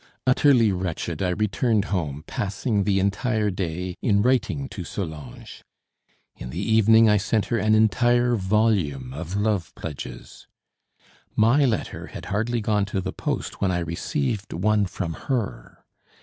Utterly wretched, I returned home, passing the entire day in writing to Solange. In the evening I sent her an entire volume of love pledges. My letter had hardly gone to the post when I received one from her.